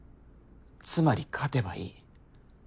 つまり勝てばいい。